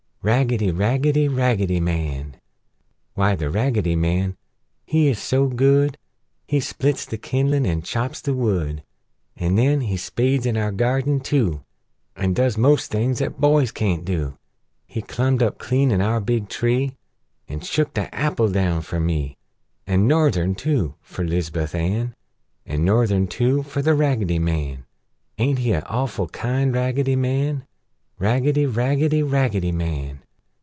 Raggedy! Raggedy! Raggedy Man! W'y, The Raggedy Man he's ist so good He splits the kindlin' an' chops the wood; An' nen he spades in our garden, too, An' does most things 'at boys can't do! He clumbed clean up in our big tree An' shooked a' apple down fer me An' nother'n, too, fer 'Lizabuth Ann An' nother'n, too, fer The Raggedy Man. Aint he a' awful kind Raggedy Man? Raggedy! Raggedy! Raggedy Man!